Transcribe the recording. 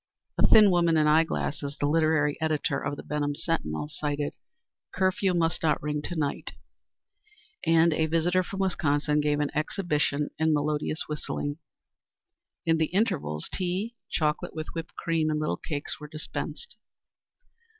A thin woman in eye glasses, the literary editor of the Benham Sentinel, recited "Curfew must not ring to night," and a visitor from Wisconsin gave an exhibition in melodious whistling. In the intervals, tea, chocolate with whipped cream and little cakes were dispensed.